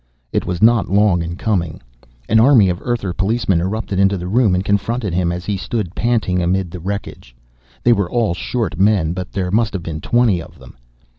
It was not long in coming. An army of Earther policemen erupted into the room and confronted him as he stood panting amid the wreckage. They were all short men, but there must have been twenty of them.